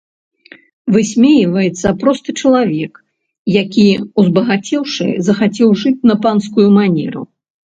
Высмейваецца просты чалавек, які, узбагацеўшы, захацеў жыць на панскую манеру.